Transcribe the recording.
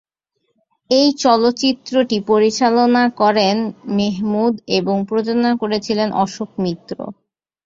এই চলচ্চিত্রটি পরিচালনা করেছেন মেহমুদ এবং প্রযোজনা করেছেন অশোক মিশ্র।